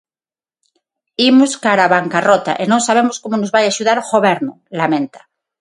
Imos cara á bancarrota e non sabemos como nos vai axudar o Goberno, lamenta.